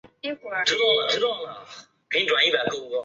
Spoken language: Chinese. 鱼腥脑岛灯塔是浙江省岱山县境内的一座灯塔。